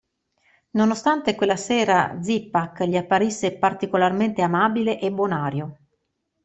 Nonostante quella sera Zipak gli apparisse particolarmente amabile e bonario.